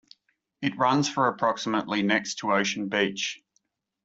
It runs for approximately next to Ocean Beach.